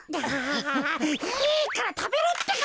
あいいからたべろってか！